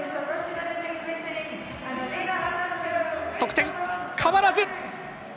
得点変わらず。